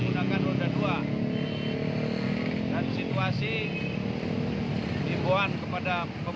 saat ini pemudik yang sudah melayani penyelesaian yang telah melayani peserta di tahap sengkenow